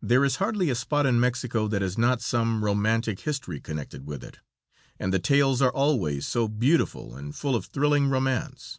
There is hardly a spot in Mexico that has not some romantic history connected with it; and the tales are always so beautiful and full of thrilling romance.